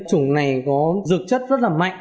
chủng này có dược chất rất là mạnh